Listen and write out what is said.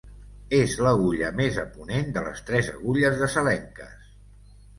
És l'agulla més a ponent de les tres Agulles de Salenques.